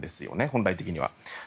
本来的には。